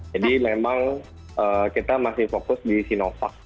jadi memang kita masih fokus di sinovac